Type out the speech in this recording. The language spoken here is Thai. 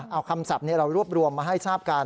เอาคำศัพท์เรารวบรวมมาให้ทราบกัน